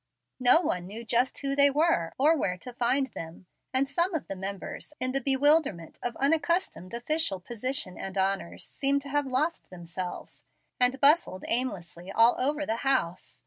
No one knew just who they were, or where to find them, and some of the members, in the bewilderment of unaccustomed official position and honors, seemed to have lost themselves, and bustled aimlessly all over the house.